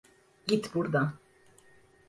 Git burdan!